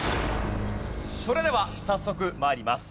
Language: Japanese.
それでは早速参ります。